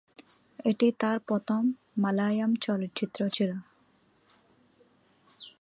এটি তার প্রথম মালয়ালম চলচ্চিত্র ছিল।